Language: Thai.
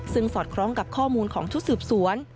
ซึ่งสอดคล้องกับข้อมูลของชุดสืบสวน